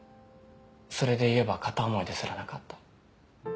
それでいえば片思いですらなかった。